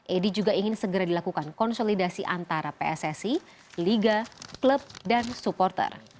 edi juga ingin segera dilakukan konsolidasi antara pssi liga klub dan supporter